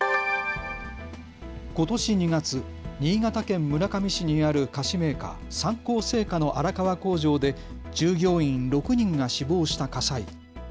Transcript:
ことし２月、新潟県村上市にある菓子メーカー、三幸製菓の荒川工場で従業員６人が死亡した火災。